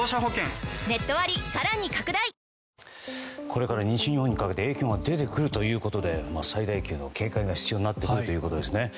これから西日本に影響が出てくるということで最大級の警戒が必要になってくるということですね。